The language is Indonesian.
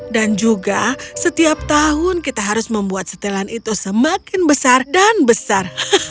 dan juga setiap tahun kita harus membuat setelan itu semakin besar dan besar